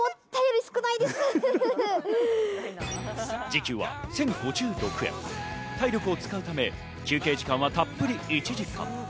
時給は１０５６円、体力を使うため、休憩時間はたっぷり１時間。